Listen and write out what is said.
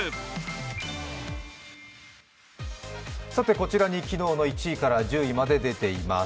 こちらに昨日の１位から１０位まで出ています。